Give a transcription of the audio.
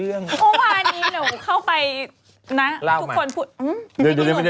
เพราะว่านี้เดี๋ยวเข้าไปนะทุกคนพูด